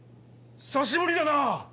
久しぶりだな！